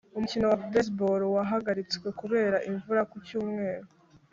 umukino wa baseball wahagaritswe kubera imvura ku cyumweru,